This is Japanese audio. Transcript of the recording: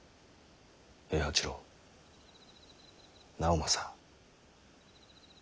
平八郎直政。